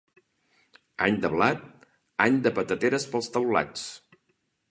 Any de blat, any de patateres pels teulats.